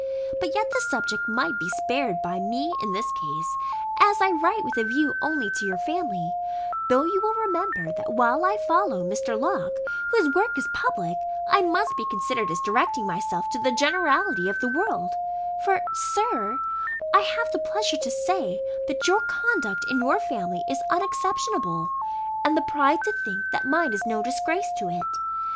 But yet the subject might be spared by me in this case, as I write with a view only to your family; though you will remember, that while I follow Mr. Locke, whose work is public, I must be considered as directing myself to the generality of the world: for, Sir, I have the pleasure to say, that your conduct in your family is unexceptionable; and the pride to think that mine is no disgrace to it.